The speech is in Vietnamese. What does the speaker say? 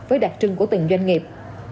với đặc trưng của từng doanh nghiệp